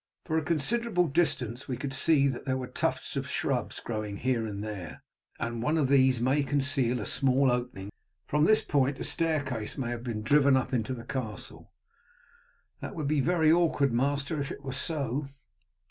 For a considerable distance we could see there were tufts of shrubs growing here and there, and one of these may conceal a small opening. From this point a staircase may have been driven up into the castle." "That would be very awkward, master, if it were so."